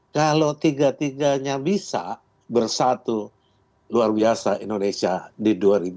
kalau tiga tiganya bisa bersatu luar biasa indonesia di dua ribu empat puluh lima